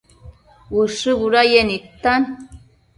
Ushë budayec nidtan